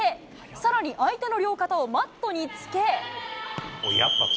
さらに相手の両肩をマットにつけ。